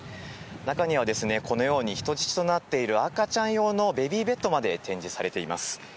中には、このように人質となっている赤ちゃん用のベビーベッドまで展示されています。